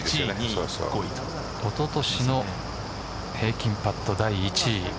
おととしの平均パット第１位。